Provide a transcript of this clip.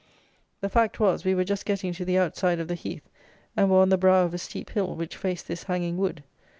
The fact was, we were just getting to the outside of the heath, and were on the brow of a steep hill, which faced this hanging wood.